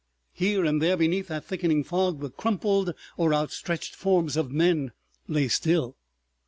Here and there beneath that thickening fog the crumpled or outstretched forms of men lay still.